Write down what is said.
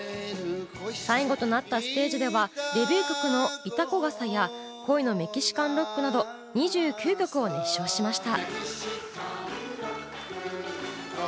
最後となったステージではデビュー曲の『潮来笠』や『恋のメキシカン・ロック』など２９曲を熱唱しました。